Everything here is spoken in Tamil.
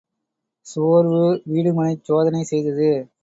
சோர்வு வீடுமனைச் சோதனை செய்தது.